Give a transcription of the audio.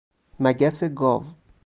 مگس گاو